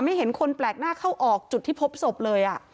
เห็นคนแปลกหน้าเข้าออกจุดที่พบศพเลย